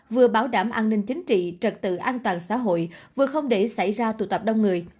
vừa bảo đảm an ninh chính trị trật tự an toàn xã hội vừa không để xảy ra tụ tập đông người